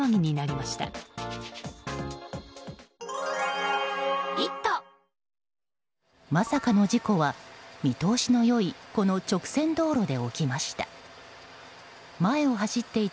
まさかの事故は見通しの良いこの直線道路で起きました。